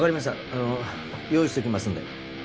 あの用意しときますので。